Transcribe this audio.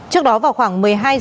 trước đó vào khoảng một mươi hai h